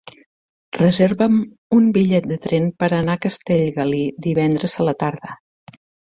Reserva'm un bitllet de tren per anar a Castellgalí divendres a la tarda.